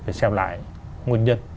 phải xem lại nguyên nhân